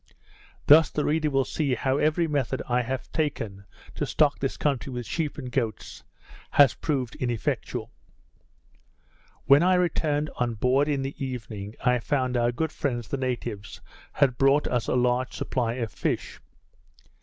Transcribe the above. Thus the reader will see how every method I have taken to stock this country with sheep and goats has proved ineffectual. When I returned on board in the evening, I found our good friends the natives had brought us a large supply of fish.